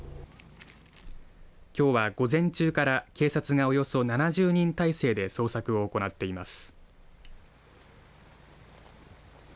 きょうは午前中から警察がおよそ７０人態勢で捜索を行っています。